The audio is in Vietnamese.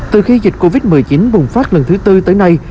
từ khi dịch covid một mươi chín bùng phát lần thứ tư tới nay